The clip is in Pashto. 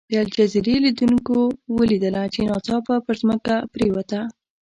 د الجزیرې لیدونکو ولیدله چې ناڅاپه پر ځمکه پرېوته.